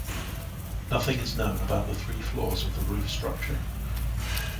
Nothing is known about the three floors of the roof structure.